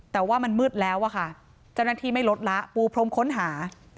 แต่ว่ามันมืดแล้วอะค่ะเจ้าหน้าที่ไม่ลดละปูพรมค้นหา